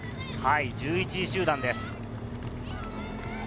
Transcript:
１１位集団です。